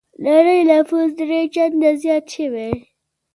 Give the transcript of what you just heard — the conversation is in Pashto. نړۍ نفوس درې چنده زيات شوی.